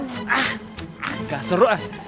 ah agak seru kan